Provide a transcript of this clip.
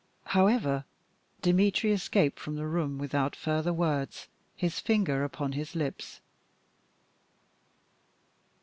However, Dmitry escaped from the room without further words, his finger upon his lips.